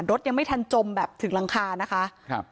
รถยังไม่ทันจมแบบถึงหลังคานะคะครับ